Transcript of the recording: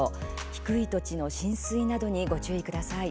低い土地の浸水などにご注意ください。